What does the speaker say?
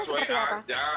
nah di kantor wa aja